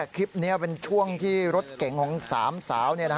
คลิปนี้เป็นช่วงที่รถเก๋งของ๓สาว